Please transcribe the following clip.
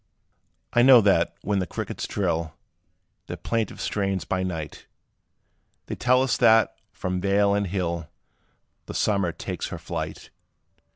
I know that, when the crickets trill Their plaintive strains by night, They tell us that, from vale and hill, The summer takes her flight.